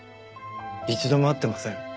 一度も会ってません。